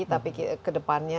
tapi ke depannya